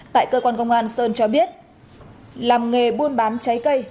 tại cơ quan công an sơn cho biết làm nghề buôn bán trái cây